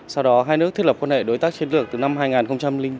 sau đó hai nước thiết lập quan hệ đối tác chiến lược từ năm hai nghìn bốn